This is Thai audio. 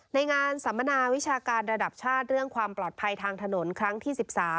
ในงานสัมมนาวิชาการระดับชาติเรื่องความปลอดภัยทางถนนครั้งที่๑๓